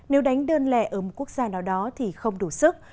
nếu đánh đơn lệ ở một quốc gia nào đó thì không đủ sức